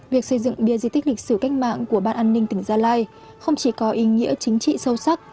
việc xây dựng bia di tích lịch sử cách mạng của ban an ninh tỉnh gia lai không chỉ có ý nghĩa chính trị sâu sắc